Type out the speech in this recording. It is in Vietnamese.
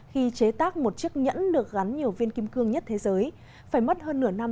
khi chế tác một chiếc nhẫn được gắn nhiều viên kim cương nhất thế giới phải mất hơn nửa năm